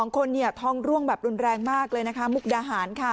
๒คนทองร่วงแบบรุนแรงมากเลยนะคะมุกดาหารค่ะ